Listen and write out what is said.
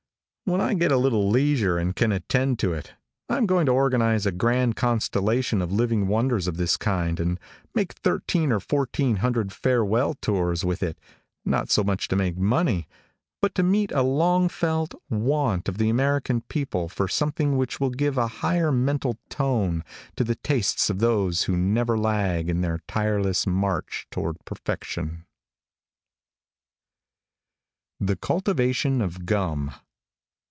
When I get a little leisure, and can attend to it, I am going to organize a grand constellation of living wonders of this kind, and make thirteen or fourteen hundred farewell tours with it, not so much to make money, but to meet a long felt, want of the American people for something which will give a higher mental tone to the tastes of those who never lag in their tireless march toward perfection. THE CULTIVATION OF GUM.